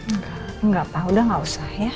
engga engga pak udah gak usah ya